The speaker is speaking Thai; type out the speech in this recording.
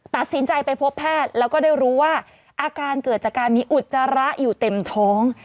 ตัดสินใจไปพบแพทย์แล้วก็ได้รู้ว่าอาการเกิดจากการมีอุจจาระอยู่เต็มท้อง